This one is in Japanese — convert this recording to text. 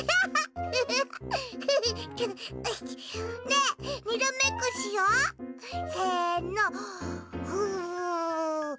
ねえにらめっこしよう！せの！